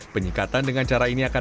penyekatan dengan cara ini akan